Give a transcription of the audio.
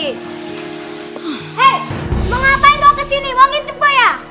hei kamu ngapain kau kesini mau ngintip gue ya